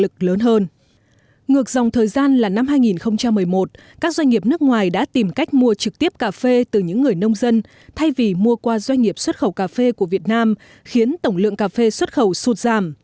các doanh nghiệp nước ngoài đã tìm cách mua trực tiếp cà phê từ những người nông dân thay vì mua qua doanh nghiệp xuất khẩu cà phê của việt nam khiến tổng lượng cà phê xuất khẩu sụt giảm